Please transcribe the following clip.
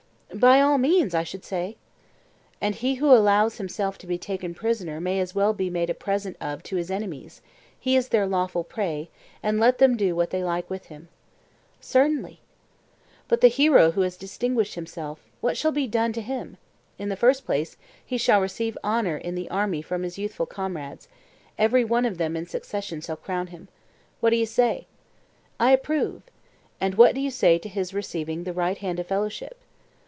By all means, I should say. And he who allows himself to be taken prisoner may as well be made a present of to his enemies; he is their lawful prey, and let them do what they like with him. Certainly. But the hero who has distinguished himself, what shall be done to him? In the first place, he shall receive honour in the army from his youthful comrades; every one of them in succession shall crown him. What do you say? I approve. And what do you say to his receiving the right hand of fellowship?